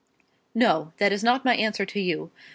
"No; that is not my answer to you.